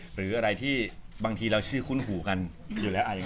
หรืออะไรที่บางทีเราชื่อคุ้นหูกันอยู่แล้ว